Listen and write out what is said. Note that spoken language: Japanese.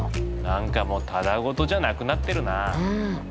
何かもうただ事じゃなくなってるな。